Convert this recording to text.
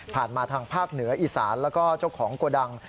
มาทางภาคเหนืออีสานแล้วก็เจ้าของโกดัง